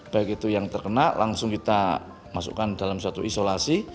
baik itu yang terkena langsung kita masukkan dalam suatu isolasi